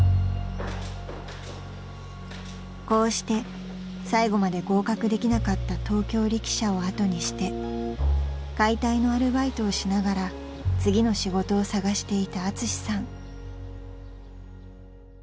［こうして最後まで合格できなかった東京力車を後にして解体のアルバイトをしながら次の仕事を探していたアツシさん］